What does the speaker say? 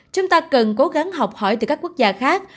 chúng ta cần cố gắng học hỏi từ các quốc gia khác